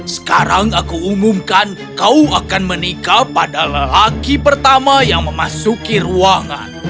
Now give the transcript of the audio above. sekarang aku umumkan kau akan menikah pada lelaki pertama yang memasuki ruangan